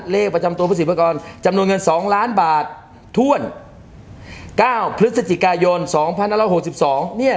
เลขประจำตัวภาษีพื้นกรจำนวนเงิน๒ล้านบาทท่วน๙พฤศจิกายน๒๑๖๒